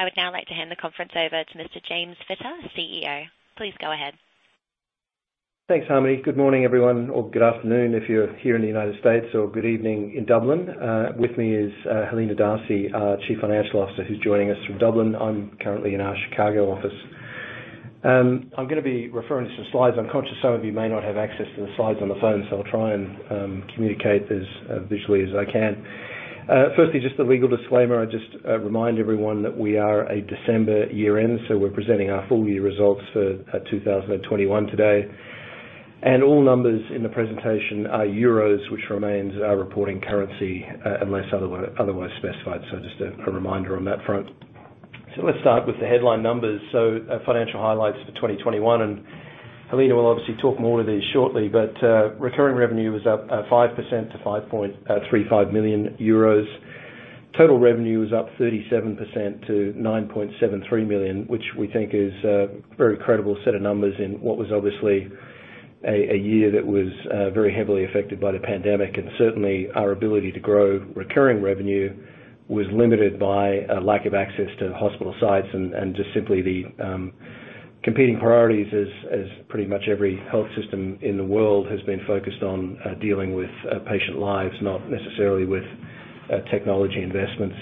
I would now like to hand the conference over to Mr. James Fitter, CEO. Please go ahead. Thanks, Harmony. Good morning, everyone, or good afternoon if you're here in the United States, or good evening in Dublin. With me is Helena D'Arcy, our Chief Financial Officer, who's joining us from Dublin. I'm currently in our Chicago office. I'm gonna be referring to some slides. I'm conscious some of you may not have access to the slides on the phone, so I'll try and communicate as visually as I can. Firstly, just the legal disclaimer. I just remind everyone that we are a December year-end, so we're presenting our full year results for 2021 today. All numbers in the presentation are euros, which remains our reporting currency, unless otherwise specified. Just a reminder on that front. Let's start with the headline numbers. Financial highlights for 2021, Helena will obviously talk more to these shortly. Recurring revenue was up 5% to 5.35 million euros. Total revenue was up 37% to 9.73 million, which we think is a very credible set of numbers in what was obviously a year that was very heavily affected by the pandemic. Certainly, our ability to grow recurring revenue was limited by a lack of access to hospital sites and just simply the competing priorities as pretty much every health system in the world has been focused on dealing with patient lives, not necessarily with technology investments.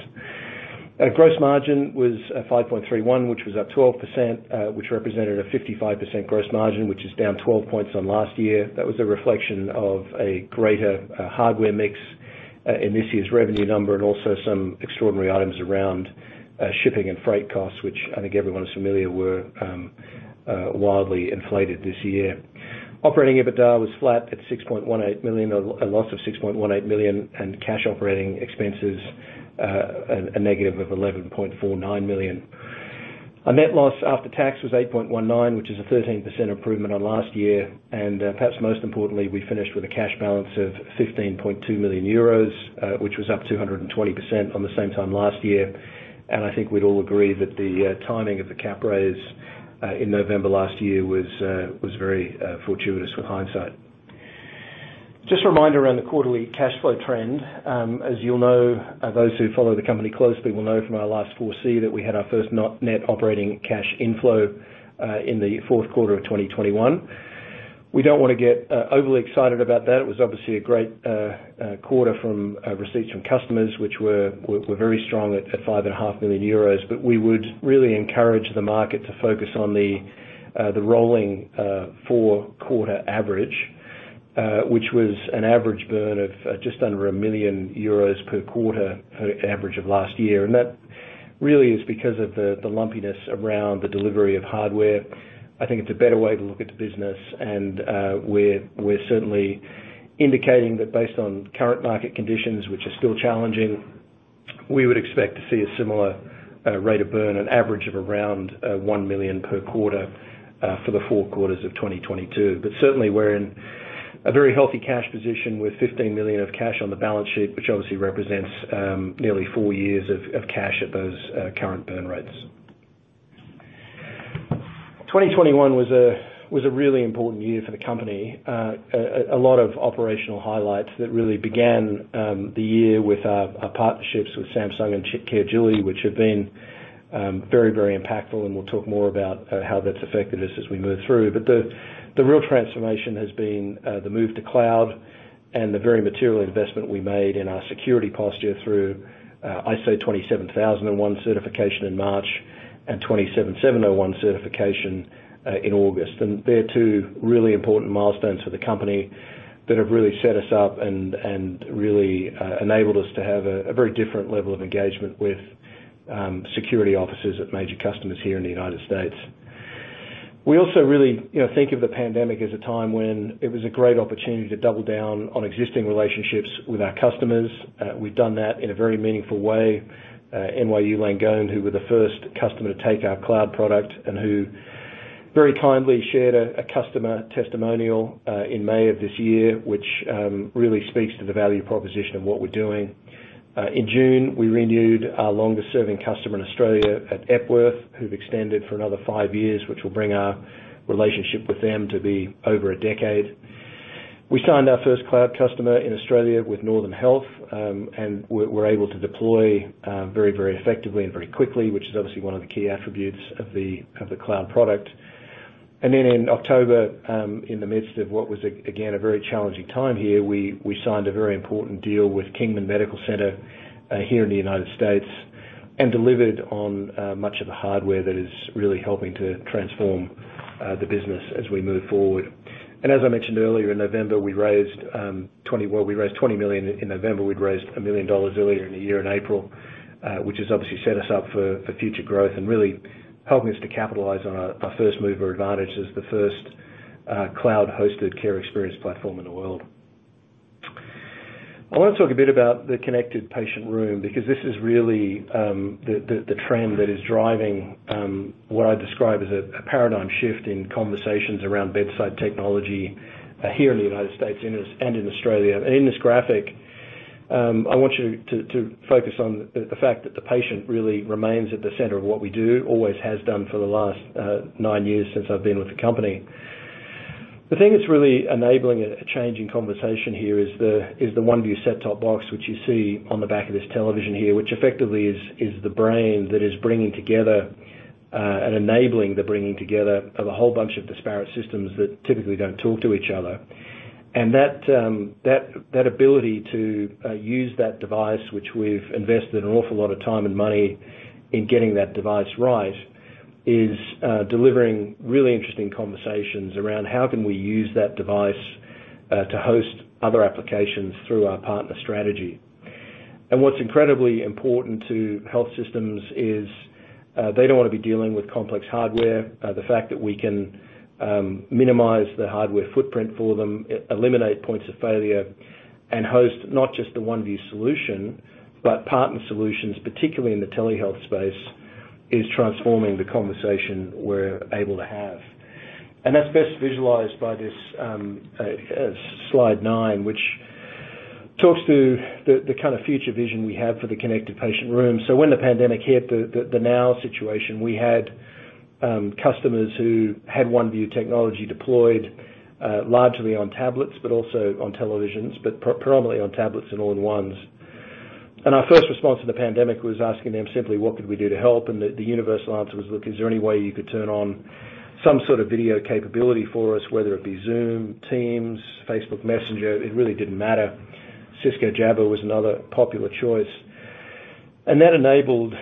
Our gross margin was 5.31, which was up 12%, which represented a 55% gross margin, which is down 12 points on last year. That was a reflection of a greater hardware mix in this year's revenue number and also some extraordinary items around shipping and freight costs, which I think everyone is familiar were wildly inflated this year. Operating EBITDA was flat at a loss of 6.18 million, and cash operating expenses a negative of 11.49 million. Our net loss after tax was 8.19 million, which is a 13% improvement on last year. Perhaps most importantly, we finished with a cash balance of 15.2 million euros, which was up 220% on the same time last year. I think we'd all agree that the timing of the cap raise in November last year was very fortuitous with hindsight. Just a reminder around the quarterly cash flow trend. As you'll know, those who follow the company closely will know from our last 4C that we had our first net operating cash inflow in the fourth quarter of 2021. We don't wanna get overly excited about that. It was obviously a great quarter from receipts from customers, which were very strong at 5.5 million euros. We would really encourage the market to focus on the rolling four-quarter average, which was an average burn of just under 1 million euros per quarter, average of last year. That really is because of the lumpiness around the delivery of hardware. I think it's a better way to look at the business. We're certainly indicating that based on current market conditions, which are still challenging, we would expect to see a similar rate of burn, an average of around 1 million per quarter for the four quarters of 2022. Certainly we're in a very healthy cash position with 15 million of cash on the balance sheet, which obviously represents nearly four years of cash at those current burn rates. 2021 was a really important year for the company. A lot of operational highlights that really began the year with our partnerships with Samsung and Caregility, which have been very impactful, and we'll talk more about how that's affected us as we move through. The real transformation has been the move to cloud and the very material investment we made in our security posture through ISO 27001 certification in March and ISO 27701 certification in August. They are two really important milestones for the company that have really set us up and really enabled us to have a very different level of engagement with security officers at major customers here in the United States. We also really, you know, think of the pandemic as a time when it was a great opportunity to double down on existing relationships with our customers. We've done that in a very meaningful way. NYU Langone, who were the first customer to take our cloud product and who very kindly shared a customer testimonial in May of this year, which really speaks to the value proposition of what we're doing. In June, we renewed our longest-serving customer in Australia at Epworth, who've extended for another five years, which will bring our relationship with them to be over a decade. We signed our first cloud customer in Australia with Northern Health, and we're able to deploy very, very effectively and very quickly, which is obviously one of the key attributes of the cloud product. In October, in the midst of what was a very challenging time here, we signed a very important deal with Kingman Medical Center here in the United States, and delivered on much of the hardware that is really helping to transform the business as we move forward. And as I mentioned earlier in November, we raised 20 million. We'd raised $1 million earlier in the year in April, which has obviously set us up for future growth and really helping us to capitalize on our first mover advantage as the first cloud-hosted Care Experience Platform in the world. I wanna talk a bit about the connected patient room because this is really the trend that is driving what I describe as a paradigm shift in conversations around bedside technology here in the United States and in Australia. In this graphic, I want you to focus on the fact that the patient really remains at the center of what we do, always has done for the last nine years since I've been with the company. The thing that's really enabling a change in conversation here is the OneView set-top box, which you see on the back of this television here, which effectively is the brain that is bringing together and enabling the bringing together of a whole bunch of disparate systems that typically don't talk to each other. That ability to use that device, which we've invested an awful lot of time and money in getting that device right, is delivering really interesting conversations around how can we use that device to host other applications through our partner strategy. What's incredibly important to health systems is they don't wanna be dealing with complex hardware. The fact that we can minimize the hardware footprint for them, eliminate points of failure, and host not just the OneView solution, but partner solutions, particularly in the telehealth space, is transforming the conversation we're able to have. That's best visualized by this slide nine, which talks to the kind of future vision we have for the connected patient room. When the pandemic hit, the new situation, we had customers who had OneView technology deployed, largely on tablets but also on televisions, but predominantly on tablets and all-in-ones. Our first response to the pandemic was asking them simply, "What could we do to help?" The universal answer was, "Look, is there any way you could turn on some sort of video capability for us, whether it be Zoom, Teams, Facebook Messenger?" It really didn't matter. Cisco Jabber was another popular choice. That enabled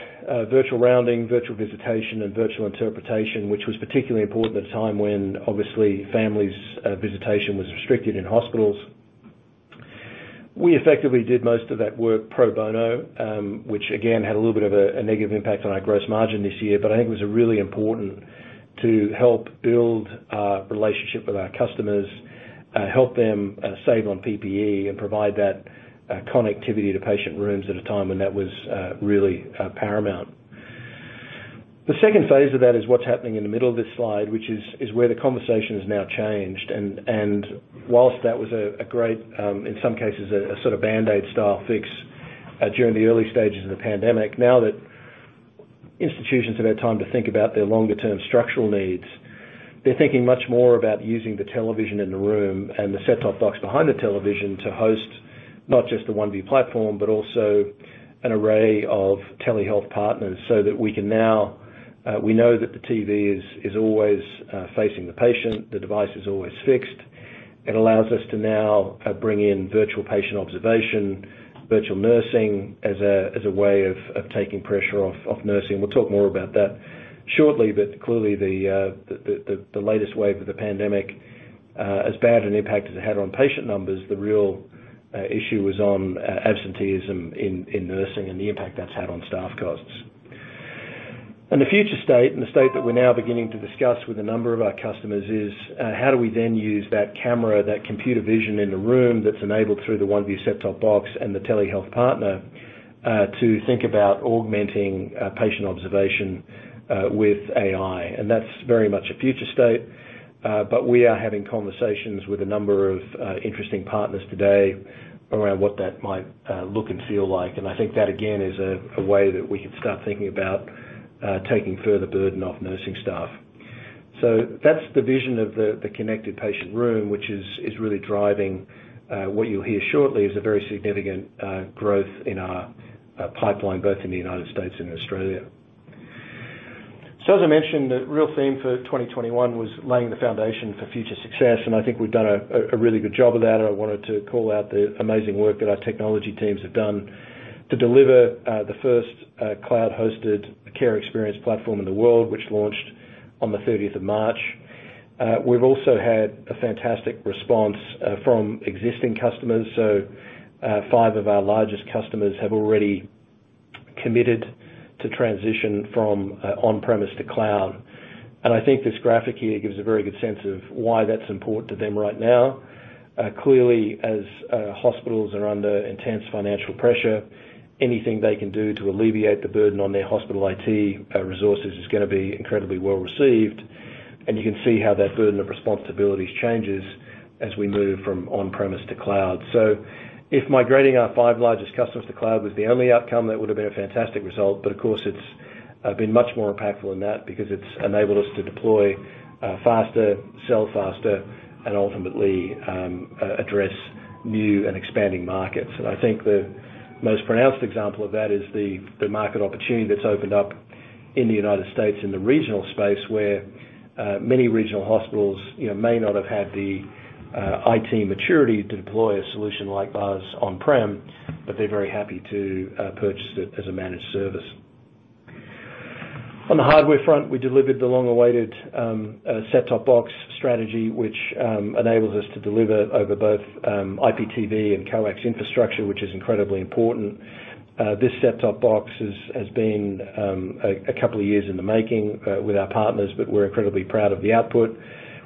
virtual rounding, virtual visitation, and virtual interpretation, which was particularly important at a time when obviously families' visitation was restricted in hospitals. We effectively did most of that work pro bono, which again had a little bit of a negative impact on our gross margin this year. I think it was really important to help build relationship with our customers, help them save on PPE and provide that connectivity to patient rooms at a time when that was really paramount. The second phase of that is what's happening in the middle of this slide, which is where the conversation has now changed. While that was a great, in some cases a sort of band-aid style fix during the early stages of the pandemic, now that institutions have had time to think about their longer term structural needs, they're thinking much more about using the television in the room and the set-top box behind the television to host not just the OneView platform, but also an array of telehealth partners so that we can now we know that the TV is always facing the patient. The device is always fixed. It allows us to now bring in virtual patient observation, virtual nursing as a way of taking pressure off nursing, and we'll talk more about that shortly. Clearly the latest wave of the pandemic, as bad an impact as it had on patient numbers, the real issue was on absenteeism in nursing and the impact that's had on staff costs. The future state, and the state that we're now beginning to discuss with a number of our customers is how do we then use that camera, that computer vision in the room that's enabled through the OneView set-top box and the telehealth partner, to think about augmenting patient observation with AI? That's very much a future state. We are having conversations with a number of interesting partners today around what that might look and feel like, and I think that again is a way that we can start thinking about taking further burden off nursing staff. That's the vision of the connected patient room, which is really driving what you'll hear shortly is a very significant growth in our pipeline, both in the United States and Australia. As I mentioned, the real theme for 2021 was laying the foundation for future success, and I think we've done a really good job of that. I wanted to call out the amazing work that our technology teams have done to deliver the first cloud-hosted Care Experience Platform in the world, which launched on the 30th of March. We've also had a fantastic response from existing customers. Five of our largest customers have already committed to transition from on-premise to cloud. I think this graphic here gives a very good sense of why that's important to them right now. Clearly, as hospitals are under intense financial pressure, anything they can do to alleviate the burden on their hospital IT resources is gonna be incredibly well received. You can see how that burden of responsibilities changes as we move from on-premise to cloud. If migrating our five largest customers to cloud was the only outcome, that would've been a fantastic result. Of course, it's been much more impactful than that because it's enabled us to deploy faster, sell faster, and ultimately address new and expanding markets. I think the most pronounced example of that is the market opportunity that's opened up in the United States in the regional space, where many regional hospitals, you know, may not have had the IT maturity to deploy a solution like ours on-prem, but they're very happy to purchase it as a managed service. On the hardware front, we delivered the long-awaited set-top box strategy, which enables us to deliver over both IPTV and coax infrastructure, which is incredibly important. This set-top box has been a couple of years in the making with our partners, but we're incredibly proud of the output.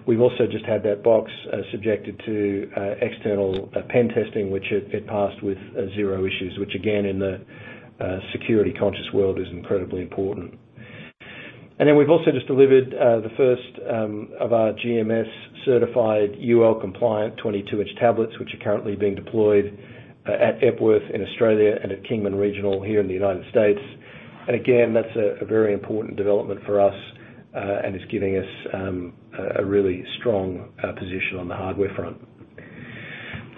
We've also just had that box subjected to external pen testing, which it passed with zero issues, which again, in the security conscious world is incredibly important. We've also just delivered the first of our GMS certified, UL-compliant 22-inch tablets, which are currently being deployed at Epworth in Australia and at Kingman Regional here in the United States. Again, that's a very important development for us and is giving us a really strong position on the hardware front.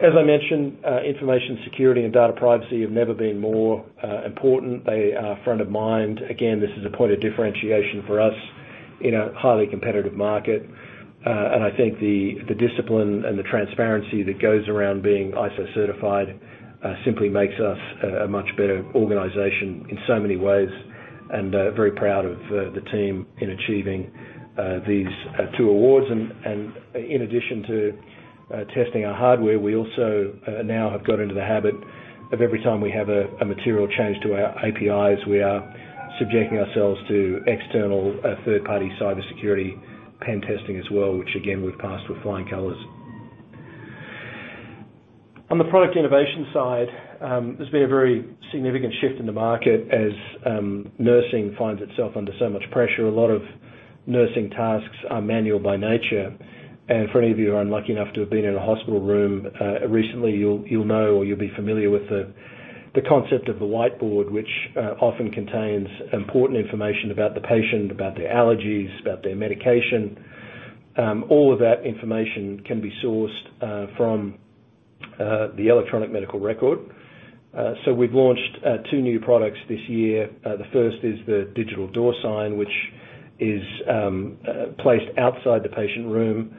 As I mentioned, information security and data privacy have never been more important. They are front of mind. Again, this is a point of differentiation for us in a highly competitive market. I think the discipline and the transparency that goes around being ISO certified simply makes us a much better organization in so many ways, and very proud of the team in achieving these two awards. In addition to testing our hardware, we also now have got into the habit of every time we have a material change to our APIs, we are subjecting ourselves to external third party cybersecurity pen testing as well, which again, we've passed with flying colors. On the product innovation side, there's been a very significant shift in the market as nursing finds itself under so much pressure. A lot of nursing tasks are manual by nature. For any of you who are unlucky enough to have been in a hospital room recently, you'll know or you'll be familiar with the concept of the whiteboard, which often contains important information about the patient, about their allergies, about their medication. All of that information can be sourced from the electronic medical record. We've launched two new products this year. The first is the Digital Door Sign, which is placed outside the patient room,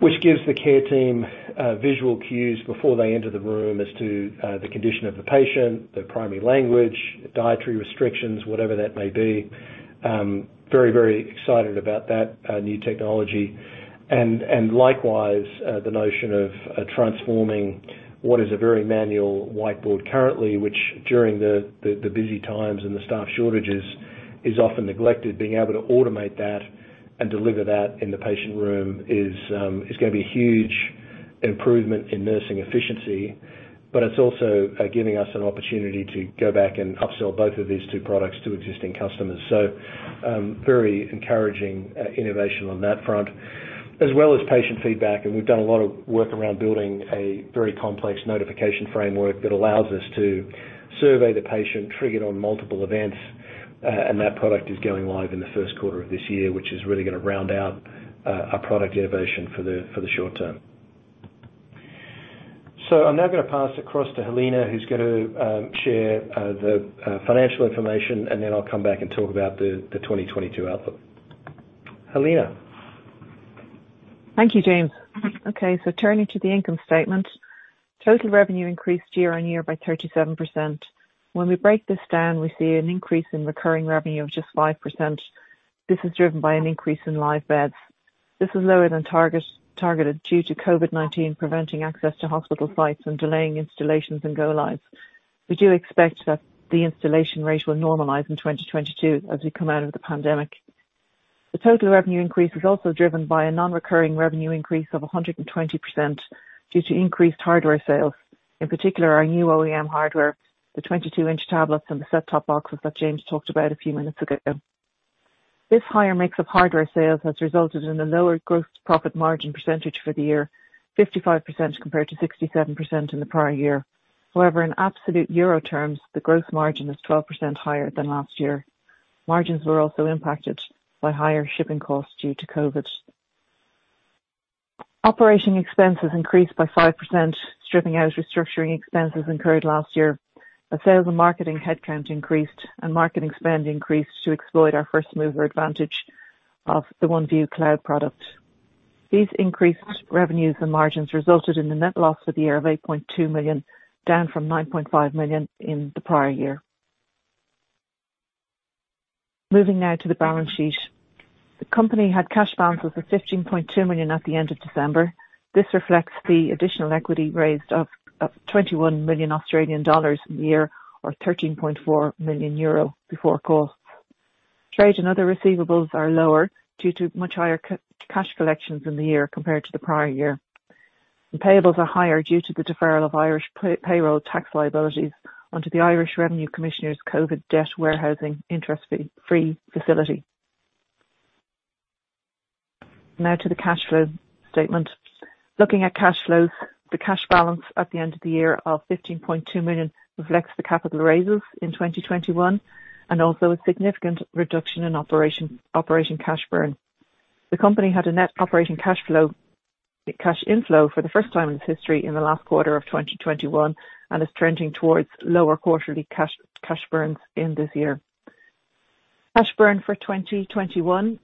which gives the care team visual cues before they enter the room as to the condition of the patient, their primary language, dietary restrictions, whatever that may be. Very excited about that new technology. Likewise, the notion of transforming what is a very manual whiteboard currently, which during the busy times and the staff shortages is often neglected. Being able to automate that and deliver that in the patient room is gonna be a huge improvement in nursing efficiency, but it's also giving us an opportunity to go back and upsell both of these two products to existing customers. Very encouraging innovation on that front. As well as patient feedback, and we've done a lot of work around building a very complex notification framework that allows us to survey the patient, trigger it on multiple events. That product is going live in the first quarter of this year, which is really gonna round out our product innovation for the short term. I'm now gonna pass across to Helena, who's going to share the financial information, and then I'll come back and talk about the 2022 outlook. Helena. Thank you, James. Okay, turning to the income statement. Total revenue increased year-on-year by 37%. When we break this down, we see an increase in recurring revenue of just 5%. This is driven by an increase in live beds. This is lower than targeted due to COVID-19 preventing access to hospital sites and delaying installations and go lives. We do expect that the installation rate will normalize in 2022 as we come out of the pandemic. The total revenue increase was also driven by a non-recurring revenue increase of 120% due to increased hardware sales, in particular, our new OEM hardware, the 22-inch tablets and the set-top boxes that James talked about a few minutes ago. This higher mix of hardware sales has resulted in a lower gross profit margin percentage for the year, 55% compared to 67% in the prior year. However, in absolute euro terms, the gross margin is 12% higher than last year. Margins were also impacted by higher shipping costs due to COVID. Operating expenses increased by 5%, stripping out restructuring expenses incurred last year. The sales and marketing headcount increased, and marketing spend increased to exploit our first mover advantage of the OneView cloud products. These increased revenues and margins resulted in the net loss for the year of 8.2 million, down from 9.5 million in the prior year. Moving now to the balance sheet. The company had cash balances of 15.2 million at the end of December. This reflects the additional equity raised of 21 million Australian dollars in the year, or 13.4 million euro before costs. Trade and other receivables are lower due to much higher cash collections in the year compared to the prior year. The payables are higher due to the deferral of Irish payroll tax liabilities onto the Irish Revenue Commissioners' COVID debt warehousing interest-free facility. Now to the cash flow statement. Looking at cash flows, the cash balance at the end of the year of 15.2 million reflects the capital raises in 2021 and also a significant reduction in operating cash burn. The company had a net operating cash inflow for the first time in its history in the last quarter of 2021 and is trending towards lower quarterly cash burns in this year. Cash burn for 2021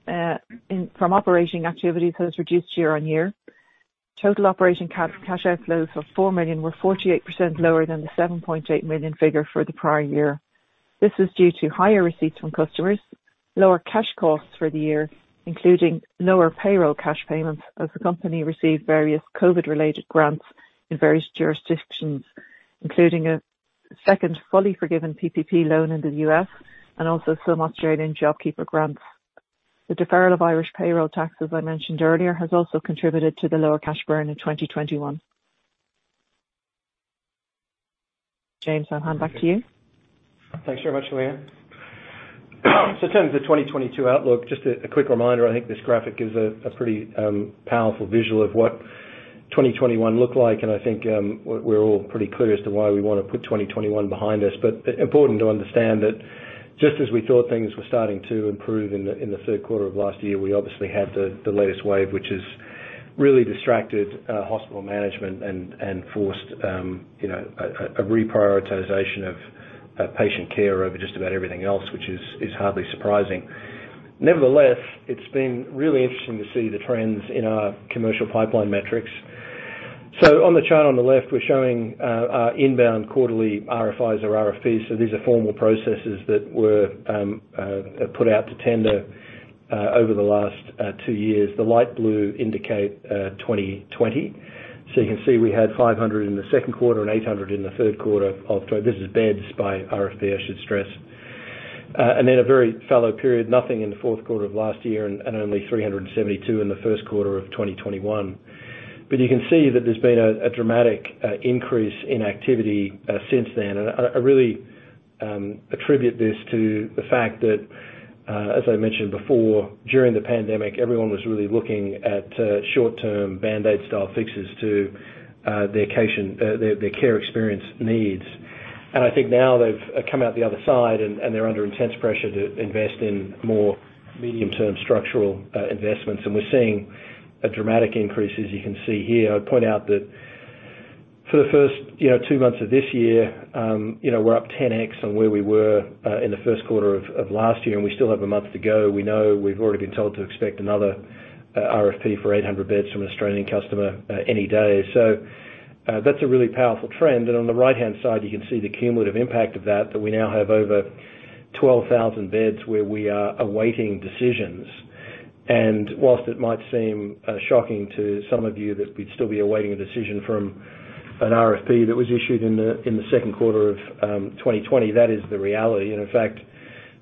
from operating activities has reduced year on year. Total operating cash outflows of 4 million were 48% lower than the 7.8 million figure for the prior year. This is due to higher receipts from customers, lower cash costs for the year, including lower payroll cash payments as the company received various COVID-related grants in various jurisdictions, including a second fully forgiven PPP loan in the U.S. and also some Australian JobKeeper grants. The deferral of Irish payroll taxes I mentioned earlier has also contributed to the lower cash burn in 2021. James, I'll hand back to you. Thanks very much, Helena. Turning to the 2022 outlook, just a quick reminder, I think this graphic gives a pretty powerful visual of what 2021 looked like. I think we're all pretty clear as to why we wanna put 2021 behind us. Important to understand that. Just as we thought things were starting to improve in the third quarter of last year, we obviously had the latest wave, which has really distracted hospital management and forced you know, a reprioritization of patient care over just about everything else, which is hardly surprising. Nevertheless, it's been really interesting to see the trends in our commercial pipeline metrics. On the chart on the left, we're showing our inbound quarterly RFIs or RFPs. These are formal processes that were put out to tender over the last two years. The light blue indicates 2020. You can see we had 500 in the second quarter and 800 in the third quarter of. This is beds by RFP, I should stress. Then a very fallow period, nothing in the fourth quarter of last year and only 372 in the first quarter of 2021. You can see that there's been a dramatic increase in activity since then. I really attribute this to the fact that, as I mentioned before, during the pandemic, everyone was really looking at short-term Band-Aid-style fixes to [decation] their care experience needs. I think now they've come out the other side and they're under intense pressure to invest in more medium-term structural investments. We're seeing a dramatic increase, as you can see here. I'd point out that for the first, you know, two months of this year, you know, we're up 10x on where we were in the first quarter of last year, and we still have a month to go. We know we've already been told to expect another RFP for 800 beds from an Australian customer any day. That's a really powerful trend. On the right-hand side, you can see the cumulative impact of that we now have over 12,000 beds where we are awaiting decisions. While it might seem shocking to some of you that we'd still be awaiting a decision from an RFP that was issued in the second quarter of 2020, that is the reality. In fact,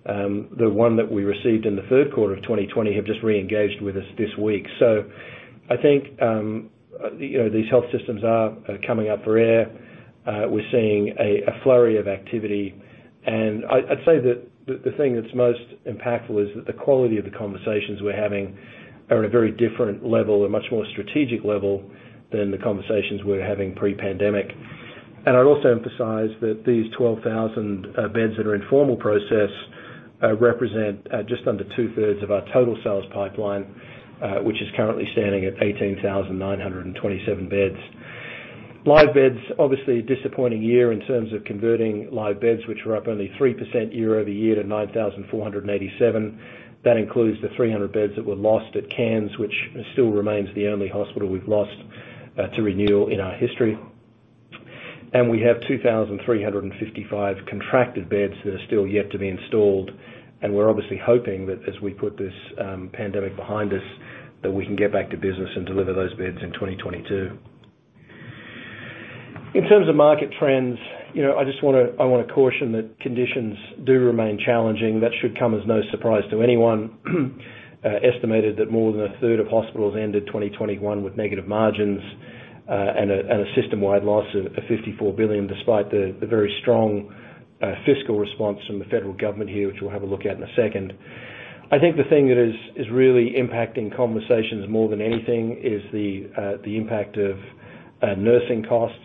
the one that we received in the third quarter of 2020 have just re-engaged with us this week. I think, you know, these health systems are coming up for air. We're seeing a flurry of activity. I'd say that the thing that's most impactful is that the quality of the conversations we're having are at a very different level, a much more strategic level than the conversations we were having pre-pandemic. I'd also emphasize that these 12,000 beds that are in formal process represent just under 2/3 of our total sales pipeline, which is currently standing at 18,927 beds. Live beds, obviously a disappointing year in terms of converting live beds, which were up only 3% year-over-year to 9,497. That includes the 300 beds that were lost at Cairns, which still remains the only hospital we've lost to renewal in our history. We have 2,355 contracted beds that are still yet to be installed, and we're obviously hoping that as we put this pandemic behind us, that we can get back to business and deliver those beds in 2022. In terms of market trends, you know, I just wanna caution that conditions do remain challenging. That should come as no surprise to anyone. Estimated that more than a third of hospitals ended 2021 with negative margins, and a system-wide loss of $54 billion, despite the very strong fiscal response from the federal government here, which we'll have a look at in a second. I think the thing that is really impacting conversations more than anything is the impact of nursing costs.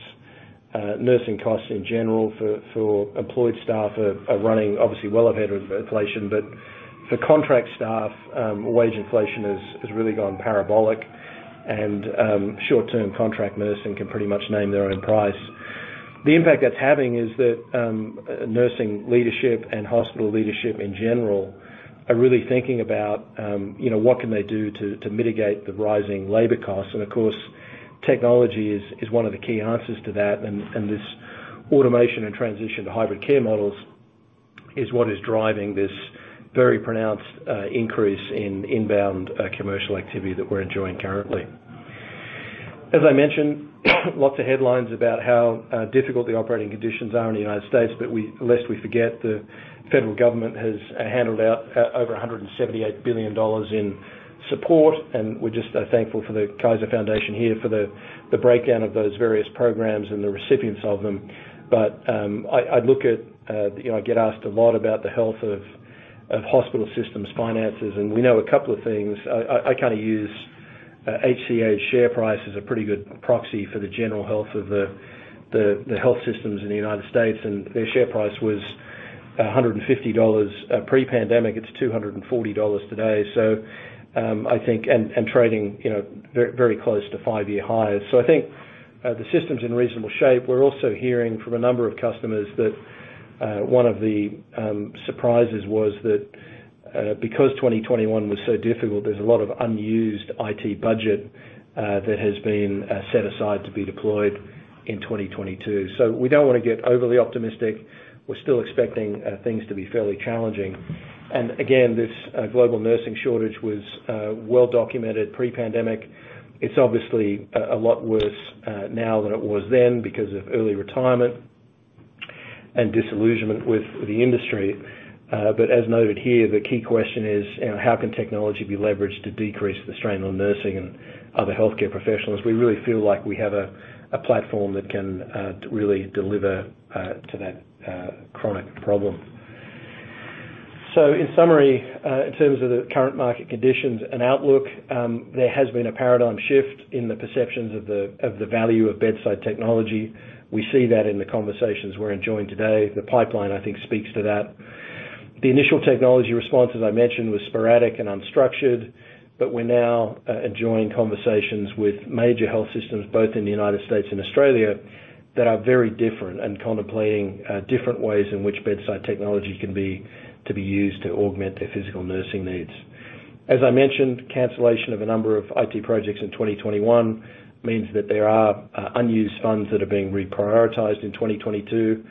Nursing costs in general for employed staff are running obviously well ahead of inflation. For contract staff, wage inflation has really gone parabolic, and short-term contract nursing can pretty much name their own price. The impact that's having is that nursing leadership and hospital leadership in general are really thinking about, you know, what can they do to mitigate the rising labor costs. Of course, technology is one of the key answers to that. This automation and transition to hybrid care models is what is driving this very pronounced increase in inbound commercial activity that we're enjoying currently. As I mentioned, lots of headlines about how difficult the operating conditions are in the United States, but lest we forget, the federal government has handed out over $178 billion in support, and we're just thankful for the Kaiser Foundation here for the breakdown of those various programs and the recipients of them. I look at you know I get asked a lot about the health of hospital systems finances, and we know a couple of things. I kinda use HCA's share price as a pretty good proxy for the general health of the health systems in the United States, and their share price was $150 pre-pandemic. It's $240 today. I think trading you know very close to five-year highs. I think the system's in reasonable shape. We're also hearing from a number of customers that one of the surprises was that because 2021 was so difficult, there's a lot of unused IT budget that has been set aside to be deployed in 2022. We don't wanna get overly optimistic. We're still expecting things to be fairly challenging. Again, this global nursing shortage was well documented pre-pandemic. It's obviously a lot worse now than it was then because of early retirement and disillusionment with the industry. As noted here, the key question is, you know, how can technology be leveraged to decrease the strain on nursing and other healthcare professionals? We really feel like we have a platform that can really deliver to that chronic problem. In summary, in terms of the current market conditions and outlook, there has been a paradigm shift in the perceptions of the value of bedside technology. We see that in the conversations we're enjoying today. The pipeline, I think, speaks to that. The initial technology response, as I mentioned, was sporadic and unstructured, but we're now enjoying conversations with major health systems both in the United States and Australia that are very different and contemplating different ways in which bedside technology can be used to augment their physical nursing needs. As I mentioned, cancellation of a number of IT projects in 2021 means that there are unused funds that are being reprioritized in 2022.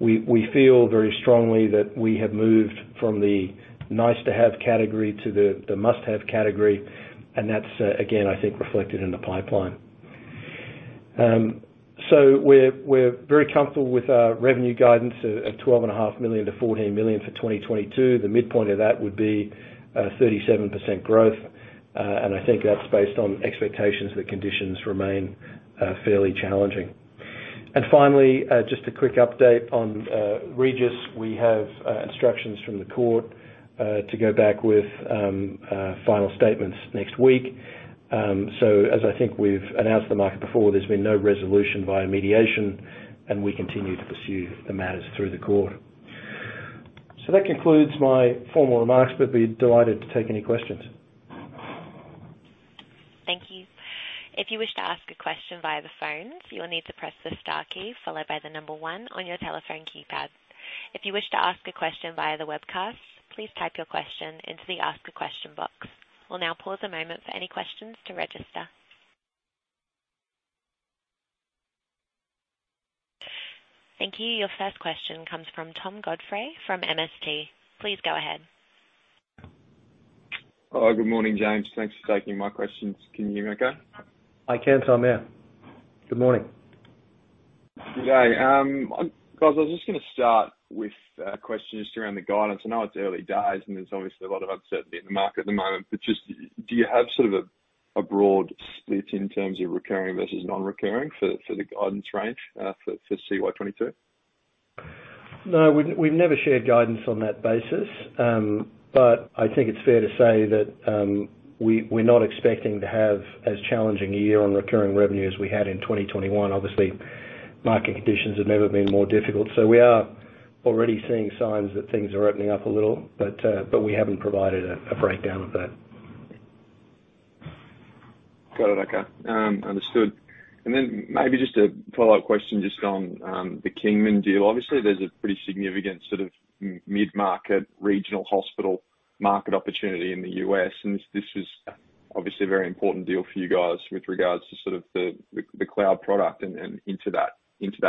We feel very strongly that we have moved from the nice to have category to the must-have category, and that's again, I think reflected in the pipeline. So we're very comfortable with our revenue guidance of 12.5 million-14 million for 2022. The midpoint of that would be 37% growth, and I think that's based on expectations that conditions remain fairly challenging. Finally, just a quick update on Regis. We have instructions from the court to go back with final statements next week. As I think we've announced to the market before, there's been no resolution via mediation, and we continue to pursue the matters through the court. That concludes my formal remarks, but be delighted to take any questions. Thank you. If you wish to ask a question via the phone, you will need to press the star key followed by the number one on your telephone keypad. If you wish to ask a question via the webcast, please type your question into the ask a question box. We'll now pause a moment for any questions to register. Thank you. Your first question comes from Tom Godfrey from MST. Please go ahead. Hi. Good morning, James. Thanks for taking my questions. Can you hear me okay? I can, Tom. Yeah. Good morning. Okay. Guys, I was just gonna start with a question just around the guidance. I know it's early days, and there's obviously a lot of uncertainty in the market at the moment, but just do you have sort of a broad split in terms of recurring versus non-recurring for the guidance range for CY 2022? No. We've never shared guidance on that basis. But I think it's fair to say that we are not expecting to have as challenging a year on recurring revenue as we had in 2021. Obviously, market conditions have never been more difficult. We are already seeing signs that things are opening up a little, but we haven't provided a breakdown of that. Got it. Okay. Understood. Maybe just a follow-up question just on the Kingman deal. Obviously, there's a pretty significant sort of mid-market regional hospital market opportunity in the U.S., and this was obviously a very important deal for you guys with regards to sort of the cloud product and into that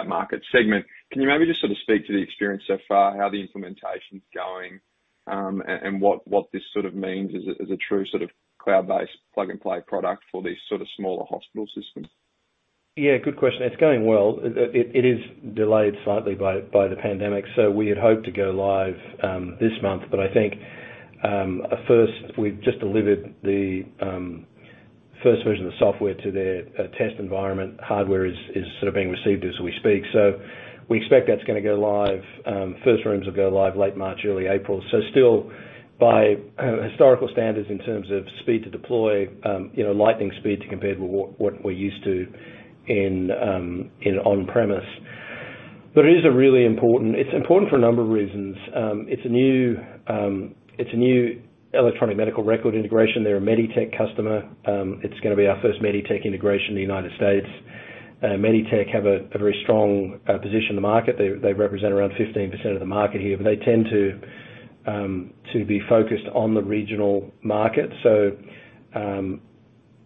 market segment. Can you maybe just sort of speak to the experience so far, how the implementation's going, and what this sort of means as a true sort of cloud-based plug-and-play product for these sort of smaller hospital systems? Yeah, good question. It's going well. It is delayed slightly by the pandemic. We had hoped to go live this month. I think first, we've just delivered the first version of the software to their test environment. Hardware is sort of being received as we speak. We expect that's gonna go live. First rooms will go live late March, early April. Still, by historical standards in terms of speed to deploy, you know, lightning speed to compare with what we're used to in on-premise. It is really important. It's important for a number of reasons. It's a new electronic medical record integration. They're a MEDITECH customer. It's gonna be our first MEDITECH integration in the United States. MEDITECH have a very strong position in the market. They represent around 15% of the market here, but they tend to be focused on the regional market.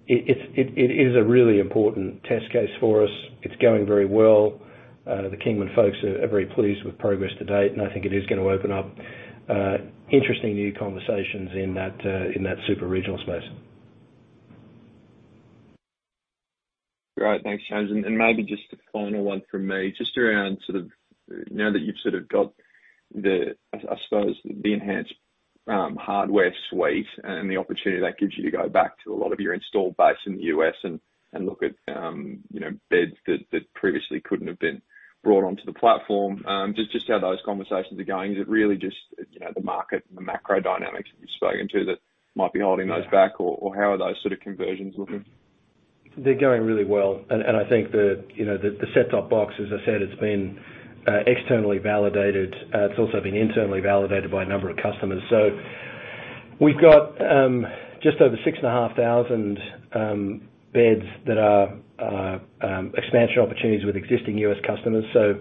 It's a really important test case for us. It's going very well. The Kingman folks are very pleased with progress to date, and I think it is gonna open up interesting new conversations in that super regional space. Great. Thanks, James. Maybe just a final one from me, just around sort of now that you've sort of got the, I suppose the enhanced hardware suite and the opportunity that gives you to go back to a lot of your installed base in the U.S. and look at, you know, beds that previously couldn't have been brought onto the platform, just how those conversations are going. Is it really just, you know, the market and the macro dynamics that you've spoken to that might be holding those back, or how are those sort of conversions looking? They're going really well. I think the set-top box, as I said, it's been externally validated. It's also been internally validated by a number of customers. We've got just over 6,500 beds that are expansion opportunities with existing U.S. customers, so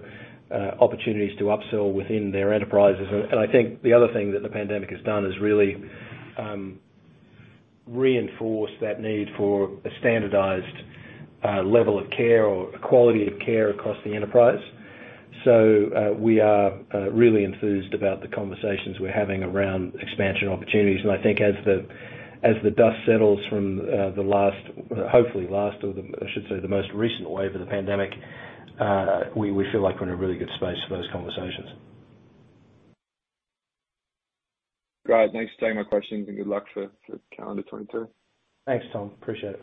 opportunities to upsell within their enterprises. I think the other thing that the pandemic has done is really reinforce that need for a standardized level of care or quality of care across the enterprise. We are really enthused about the conversations we're having around expansion opportunities. I think as the dust settles from the most recent wave of the pandemic, we feel like we're in a really good space for those conversations. Great. Thanks for taking my questions and good luck for calendar 2022. Thanks, Tom. Appreciate it.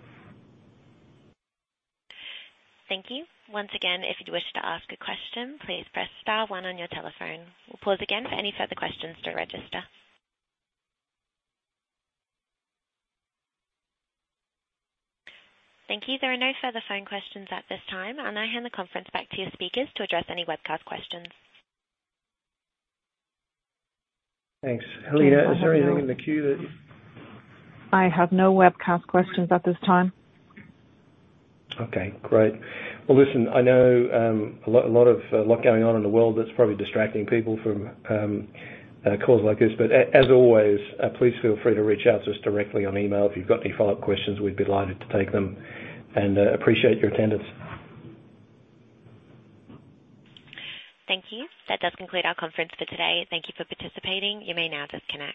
Thank you. Once again, if you'd wish to ask a question, please press star one on your telephone. We'll pause again for any further questions to register. Thank you. There are no further phone questions at this time. I now hand the conference back to your speakers to address any webcast questions. Thanks. Helena, is there anything in the queue that? I have no webcast questions at this time. Okay, great. Well, listen, I know a lot going on in the world that's probably distracting people from calls like this. As always, please feel free to reach out to us directly on email if you've got any follow-up questions. We'd be delighted to take them and appreciate your attendance. Thank you. That does conclude our conference for today. Thank you for participating. You may now disconnect.